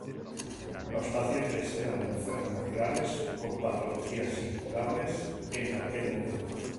Los pacientes eran enfermos graves con patologías incurables en aquel momento.